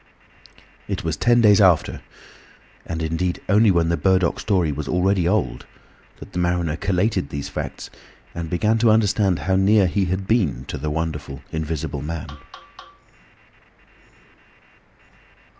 It was ten days after—and indeed only when the Burdock story was already old—that the mariner collated these facts and began to understand how near he had been to the wonderful Invisible Man.